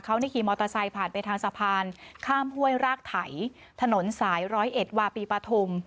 เขาขี่มอเตอร์ไซค์ผ่านไปทางสะพานข้ามห้วยรากไถถนนสายร้อยเอ็ดวาปีปฐุม